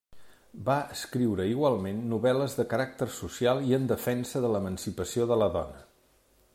Va escriure igualment novel·les de caràcter social i en defensa de l’emancipació de la dona.